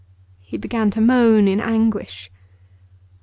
He began to moan in anguish.